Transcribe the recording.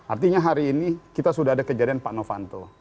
artinya hari ini kita sudah ada kejadian pak novanto